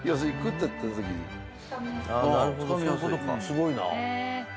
すごいなあ。